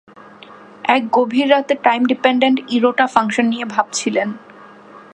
এক গভীর রাতে টাইম ডিপেনডেন্ট ইরোটা ফাংশন নিয়ে ভাবছিলেন।